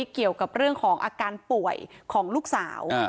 เกี่ยวกับเรื่องของอาการป่วยของลูกสาว